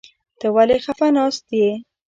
ته ولې خپه ناسته يې ؟